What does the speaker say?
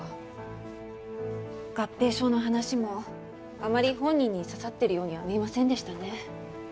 合併症の話もあまり本人に刺さっているようには見えませんでしたね。